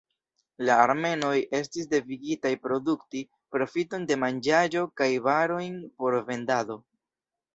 La armenoj estis devigitaj produkti profiton de manĝaĵo kaj varojn por vendado.